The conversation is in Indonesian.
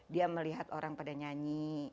dia melihat orang pada nyanyi